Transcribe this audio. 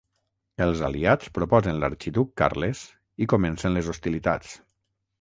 Els aliats proposen l'Arxiduc Carles i comencen les hostilitats.